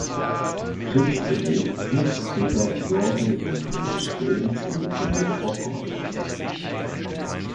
Kriegsbedingt wuchs Peter Sorge in Neustrelitz in Mecklenburg-Vorpommern auf.